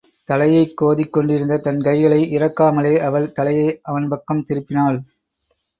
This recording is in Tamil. தலையைக் கோதிக் கொண்டிருந்த தன் கைகளை இறக்காமலே, அவள் தலையை அவன் பக்கம் திருப்பினாள்.